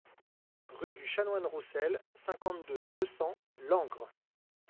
Rue du Chanoine Roussel, cinquante-deux, deux cents Langres